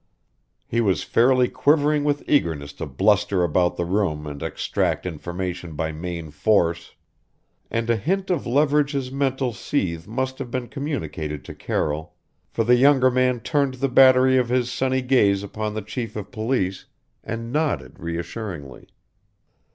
He was fairly quivering with eagerness to bluster about the room and extract information by main force. And a hint of Leverage's mental seethe must have been communicated to Carroll, for the younger man turned the battery of his sunny gaze upon the chief of police and nodded reassuringly.